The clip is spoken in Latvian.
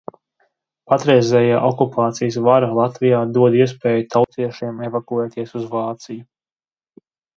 Patreizējā okupācijas vara Latvijā dod iespēju Tautiešiem evakuēties uz Vāciju.